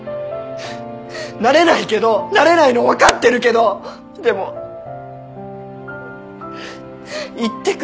なれないけどなれないの分かってるけどでも言ってくれないのはさ。